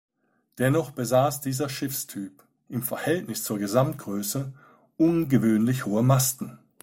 Dennoch besaß dieser Schiffstyp im Verhältnis zur Gesamtgröße ungewöhnlich hohe Masten.